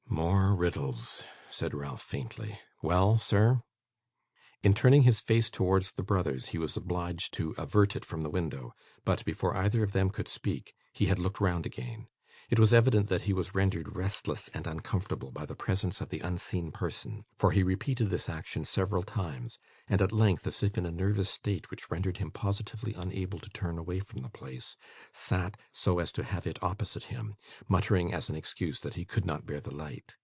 'More riddles!' said Ralph, faintly. 'Well, sir?' In turning his face towards the brothers he was obliged to avert it from the window; but, before either of them could speak, he had looked round again. It was evident that he was rendered restless and uncomfortable by the presence of the unseen person; for he repeated this action several times, and at length, as if in a nervous state which rendered him positively unable to turn away from the place, sat so as to have it opposite him, muttering as an excuse that he could not bear the light.